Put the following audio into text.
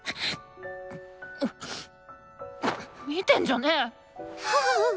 見てんじゃね！